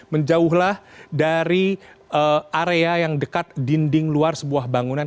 menjauhlah dari area yang dekat dinding luar sebuah bangunan